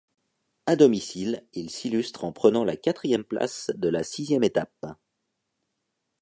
À domicile, il s'illustre en prenant la quatrième place de la sixième étape.